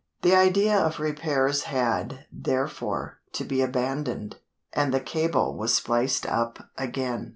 The idea of repairs had, therefore, to be abandoned, and the cable was spliced up again.